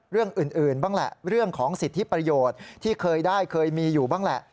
เรื่องอื่นบ้างแหละเรื่องของสิทธิประโยชน์